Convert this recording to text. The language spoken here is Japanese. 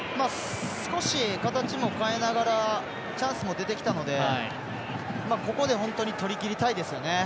少し形も変えながらチャンスも出てきたのでここで本当に取りきりたいですよね。